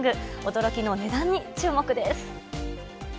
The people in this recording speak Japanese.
驚きの値段に注目です。